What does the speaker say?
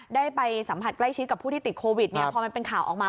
ได้ไปสัมผัสใกล้ชิดกับผู้ที่ติดโควิดเนี่ยพอมันเป็นข่าวออกมา